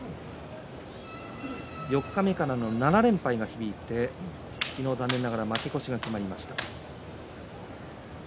四日目からの７連敗が響いて昨日、残念ながら負け越しが決まりました。